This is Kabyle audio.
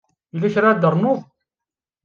Yella kra ara d-ternuḍ?